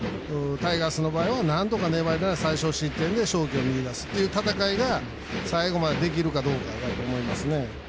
タイガースの場合はなんとか粘れたら最少失点で勝機を見出すという戦いが最後までできるかどうかだと思いますね。